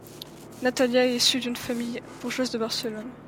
Natàlia est issue d'une famille bourgeoise de Barcelone.